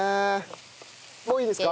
もういいですか？